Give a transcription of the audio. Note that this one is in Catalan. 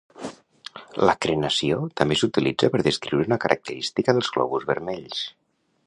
La crenació també s'utilitza per descriure una característica dels glòbuls vermells.